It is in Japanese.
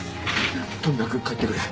とにかく帰ってくれ！